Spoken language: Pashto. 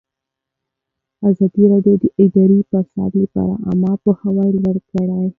ازادي راډیو د اداري فساد لپاره عامه پوهاوي لوړ کړی.